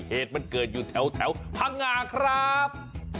เหตุมันเกิดอยู่แถวพังงาครับ